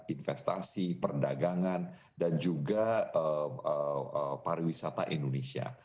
investasi perdagangan dan juga pariwisata indonesia